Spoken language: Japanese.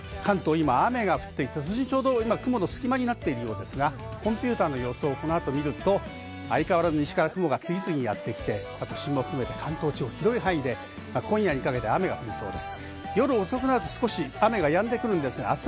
今、雨が降っていて、ちょうど今、雲の隙間になっているようですが、コンピュータの予想をこのあと見ると、相変わらず西から雲が次々やってきて、都心も含めて関東地方広い範囲で今夜にかけて雨が降りそうです。